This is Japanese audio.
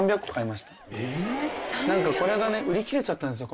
なんかこれがね売り切れちゃったんですよ